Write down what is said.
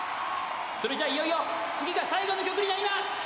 それじゃいよいよ次が最後の曲になります。